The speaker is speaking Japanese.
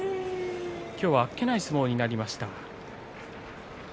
今日はあっけない相撲となりました。